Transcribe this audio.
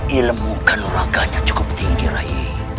ilmu kanuraganya cukup tinggi rayi